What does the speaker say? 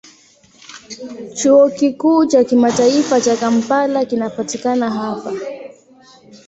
Chuo Kikuu cha Kimataifa cha Kampala kinapatikana hapa.